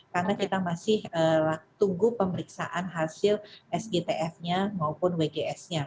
karena kita masih tunggu pemeriksaan hasil sgtf nya maupun wgs nya